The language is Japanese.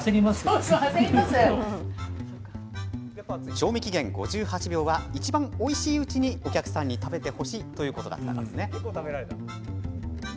賞味期限５８秒はいちばんおいしいうちにお客さんに食べてほしいということだったんですね。